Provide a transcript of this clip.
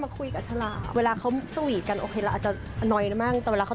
มาคุยกับฉลาดเวลาเขาสวีนกันโอเคราวอาจจะน้อยนะบ้างว่าเขา